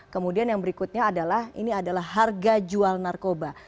kemudian yang berikutnya adalah ini adalah harga jual narkoba